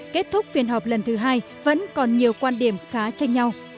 kết thúc phiên họp lần thứ hai vẫn còn nhiều quan điểm khá chênh nhau